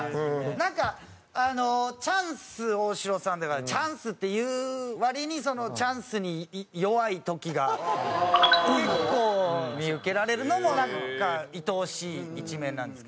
なんかチャンス大城さんって「チャンス」っていう割にチャンスに弱い時が結構見受けられるのもなんかいとおしい一面なんですけど。